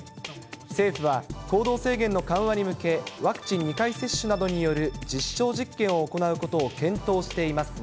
政府は、行動制限の緩和に向け、ワクチン２回接種などによる実証実験を行うことを検討していますが。